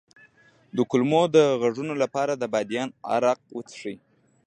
د کولمو د غږونو لپاره د بادیان عرق وڅښئ